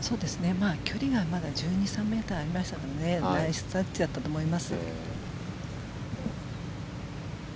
距離がまだ１２１３ｍありましたのでナイスタッチだったと思います。